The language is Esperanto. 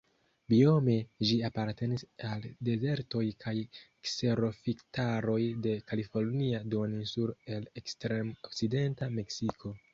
Biome ĝi apartenas al dezertoj kaj kserofitaroj de Kalifornia Duoninsulo en ekstrem-okcidenta Meksiko.